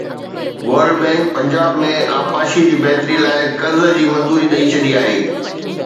world Bank Punjab ۾ آبپاشي جي بهتري لاءِ قرض جي منظوري ڏئي ڇڏي آهي